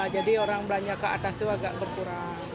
jadi orang belanja ke atas itu agak berkurang